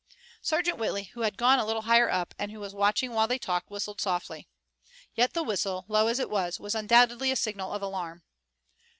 Sergeant Whitley, who had gone a little higher up and who was watching while they talked, whistled softly. Yet the whistle, low as it was, was undoubtedly a signal of alarm.